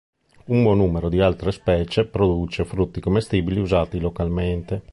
Un buon numero di altre specie produce frutti commestibili, usati localmente.